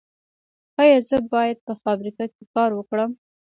ایا زه باید په فابریکه کې کار وکړم؟